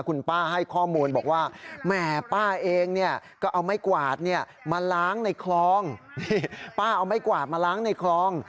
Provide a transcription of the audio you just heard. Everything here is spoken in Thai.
คุณป้าให้ข้อมูลบอกว่าแหม่ป้าเองก็เอาไม้กวาดมาล้างในคลอง